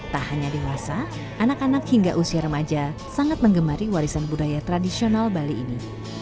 tak hanya dewasa anak anak hingga usia remaja sangat mengemari warisan budaya tradisional bali ini